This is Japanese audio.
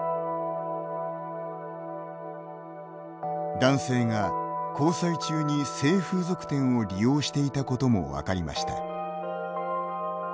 男性が、交際中に性風俗店を利用していたことも分かりました。